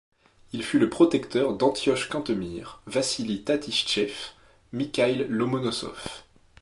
Il fut le protecteur d’Antioche Cantemir, Vassili Tatichtchev, Mikhaïl Lomonossov.